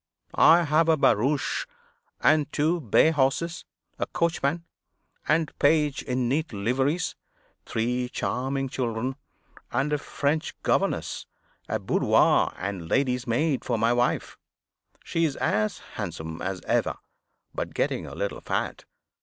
I have a barouche and two bay horses, a coachman and page in neat liveries, three charming children, and a French governess, a boudoir and lady's maid for my wife. She is as handsome as ever, but getting a little fat.